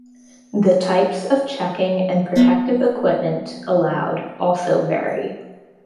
The types of checking and protective equipment allowed also vary.